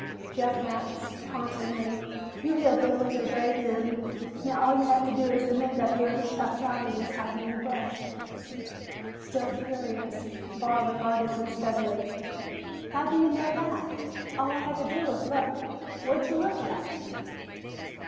Jeff laughed tauntingly. "You hillbillies are brave men! Now all you have to do is admit that whoever shot Johnny was hiding in the brush." Still furious, Barr regarded him steadily. "How do ya know that?" "All I had to do was look." "What'd ya look at?"